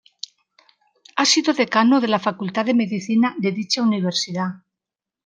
Ha sido Decano de la Facultad de Medicina de dicha universidad.